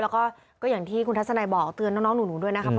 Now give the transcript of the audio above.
แล้วก็อย่างที่คุณทัศนัยบอกเตือนน้องหนูด้วยนะครับ